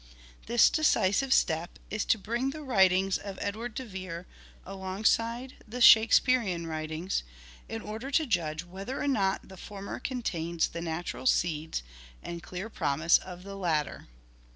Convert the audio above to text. This decisive step is to bring the writings of Edward de Vere alongside the Shake spearean writings, in order to judge whether or not the former contain the natural seeds and clear promise of the latter.